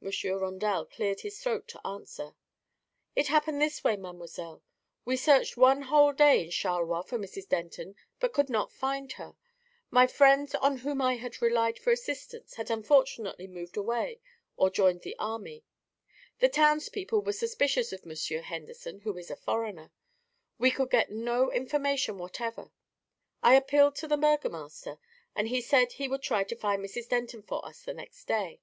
Monsieur Rondel cleared his throat to answer: "It happened in this way, mademoiselle: We searched one whole day in Charleroi for Mrs. Denton but could not find her. My friends, on whom I had relied for assistance, had unfortunately moved away or joined the army. The townspeople were suspicious of Monsieur Henderson, who is a foreigner. We could get no information whatever. I appealed to the burgomaster and he said he would try to find Mrs. Denton for us the next day.